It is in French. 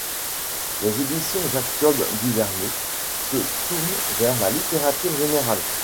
Les Éditions Jacob-Duvernet se tournent vers la littérature générale.